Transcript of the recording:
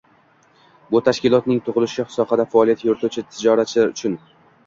Bu tashkilotning tug‘ilishi sohada faoliyat yurituvchi tijoratchilar uchun